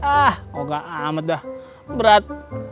ah oga amat dah berat